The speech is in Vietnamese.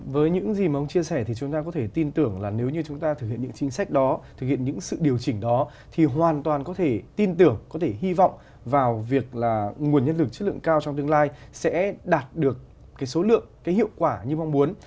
với những gì mà ông chia sẻ thì chúng ta có thể tin tưởng là nếu như chúng ta thực hiện những chính sách đó thực hiện những sự điều chỉnh đó thì hoàn toàn có thể tin tưởng có thể hy vọng vào việc là nguồn nhân lực chất lượng cao trong tương lai sẽ đạt được cái số lượng cái hiệu quả như mong muốn